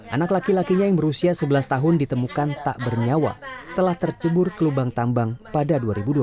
anak laki lakinya yang berusia sebelas tahun ditemukan tak bernyawa setelah tercebur ke lubang tambang pada dua ribu dua belas